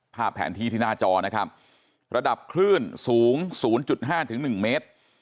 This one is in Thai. แผนที่ที่หน้าจอนะครับระดับคลื่นสูง๐๕๑เมตร